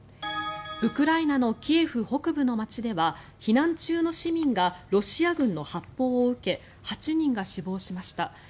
ウクライナのキエフ北部の街では避難中の市民がロシア軍の発砲を受け８人が死亡しました。